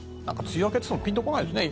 梅雨明けといってもピンとこないですね。